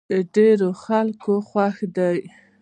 ډېری خلک يې خوښ دی.